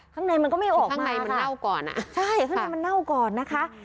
ข้างในมันก็ไม่ออกข้างในมันเน่าก่อนอ่ะใช่ข้างในมันเน่าก่อนนะคะ